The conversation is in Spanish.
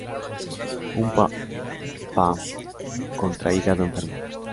Umpa-pah contra Hígado Enfermo.